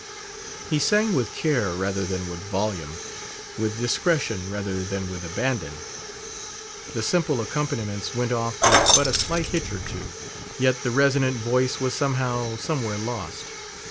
He sang with care rather than with volume, with discretion rather than with abandon. The "simple accompaniments" went off with but a slight hitch or two, yet the "resonant voice" was somehow, somewhere lost.